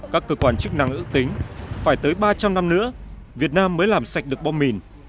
các cơ quan chức năng ước tính phải tới ba trăm linh năm nữa việt nam mới làm sạch được bom mìn